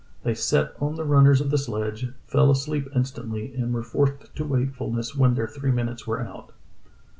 They sat on the runners of the sledge, fell asleep instantly, and were forced to wakefulness when their three minutes were out."